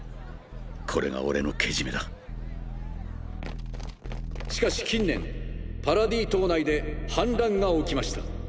これが俺のけじめだしかし近年パラディ島内で反乱が起きました。